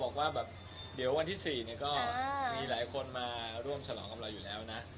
คือที่วันที่๔เนี่ยก็มีกคนมาชิงเราอยู่แล้วนะ